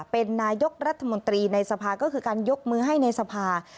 เป็นนายกรัฐมนตรีในสภาก็คือการยกมือให้ในสภา